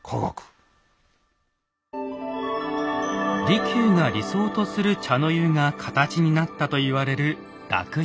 利休が理想とする茶の湯が形になったと言われる樂茶碗。